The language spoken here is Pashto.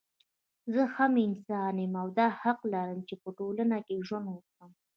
زه هم انسان يم او دا حق لرم چې په ټولنه کې ژوند وکړم